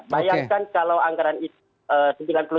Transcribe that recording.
bayangkan kalau anggaran itu